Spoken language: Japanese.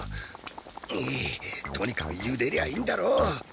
えいとにかくゆでりゃいいんだろ。